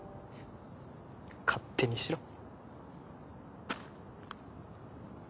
勝手にしろ。